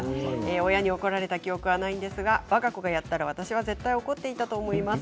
親に怒られた記憶はないんですがわが子がやったら私は絶対に怒っていたと思います。